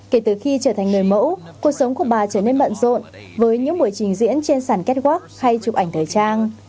kể từ khi trở thành người mẫu cuộc sống của bà trở nên bận rộn với những buổi trình diễn trên sàn catwalk hay chụp ảnh thời trang